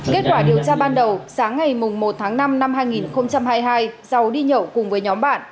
kết quả điều tra ban đầu sáng ngày một tháng năm năm hai nghìn hai mươi hai giàu đi nhậu cùng với nhóm bạn